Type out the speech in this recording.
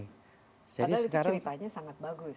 padahal ceritanya sangat bagus